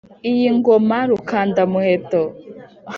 iyi ngoma rukanda-muheto.